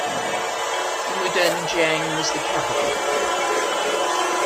Mudanjiang was the capital.